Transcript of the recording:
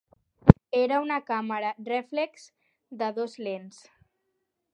Era una càmera rèflex de dos lents.